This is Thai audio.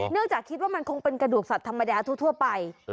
จากคิดว่ามันคงเป็นกระดูกสัตว์ธรรมดาทั่วไป